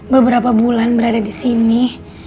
beberapa bulan berada di sini